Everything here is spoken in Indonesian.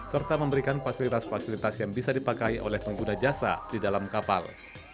serta memberikan fasilitas fasilitas yang bisa dipakai oleh pengguna jasa di dalam kapal